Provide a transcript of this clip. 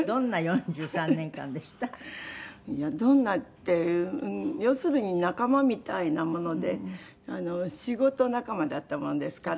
どんなって要するに仲間みたいなもので仕事仲間だったものですから。